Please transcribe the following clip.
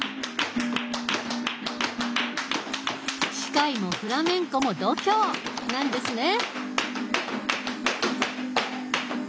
歯科医もフラメンコも度胸なんですね！